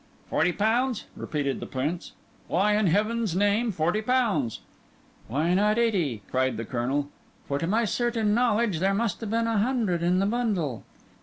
"Forty pounds!" repeated the Prince. "Why, in heaven's name, forty pounds?" "Why not eighty?" cried the Colonel; "for to my certain knowledge there must have been a hundred in the bundle."